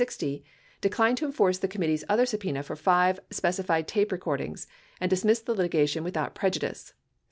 60, declined to enforce the committee's other subpena for five specified tape record ings and dismissed the litigation without prejudice.